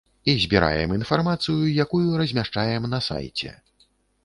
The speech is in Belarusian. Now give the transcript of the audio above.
І збіраем інфармацыю, якую размяшчаем на сайце.